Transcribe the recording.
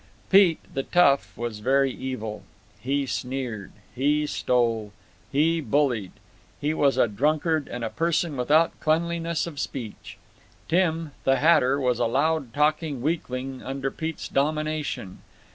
Pete, the tough, was very evil. He sneered. He stole. He bullied. He was a drunkard and a person without cleanliness of speech. Tim, the hatter, was a loud talking weakling, under Pete's domination.